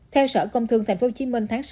theo sở công thương tp hcm tháng sáu